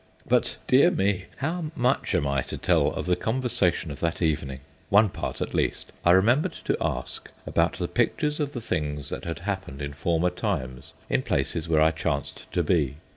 But dear me! how much am I to tell of the conversation of that evening? One part at least: I remembered to ask about the pictures of the things that had happened in former times in places where I chanced to be.